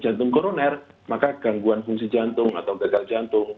jantung koroner maka gangguan fungsi jantung atau gagal jantung